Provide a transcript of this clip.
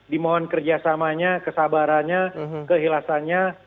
dimohon kerjasamanya kesabarannya kehilasannya